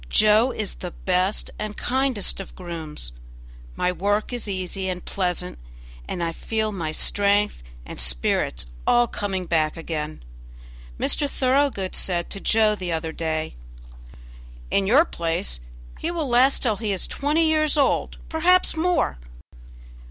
Joe is the best and kindest of grooms. My work is easy and pleasant, and I feel my strength and spirits all coming back again. Mr. Thoroughgood said to Joe the other day: "In your place he will last till he is twenty years old perhaps more."